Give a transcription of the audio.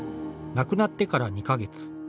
亡くなってから２か月。